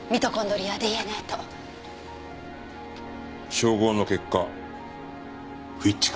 照合の結果不一致か。